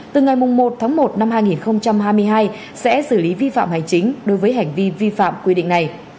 từ ngày một tháng một năm hai nghìn hai mươi hai sẽ xử lý vi phạm hành chính đối với hành vi vi phạm quy định này